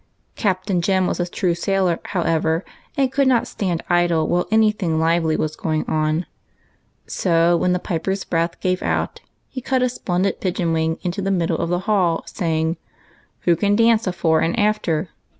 Captain Jem was a true sailor, however, and could not stand idle while any thing lively was UNDER THE MISTLETOE. 235 going on ; so, when the piper's breath gave out, he cut a splendid pigeon wing into the middle of the hall, saying, "Who can dance a Fore and After?"